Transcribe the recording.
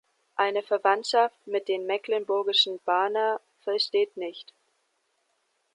Eine Verwandtschaft mit den mecklenburgischen Barner besteht nicht.